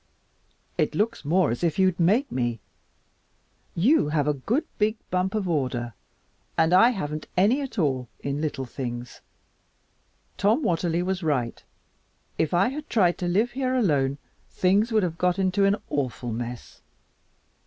"It looks more as if you'd make me. You have a good big bump of order, and I haven't any at all in little things. Tom Watterly was right. If I had tried to live here alone, things would have got into an awful mess.